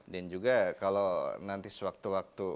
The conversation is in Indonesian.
dan juga kalau nanti sewaktu waktu